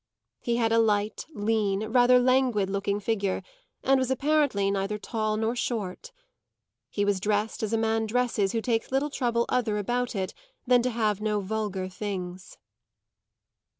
He had a light, lean, rather languid looking figure, and was apparently neither tall nor short. He was dressed as a man dresses who takes little other trouble about it than to have no vulgar things.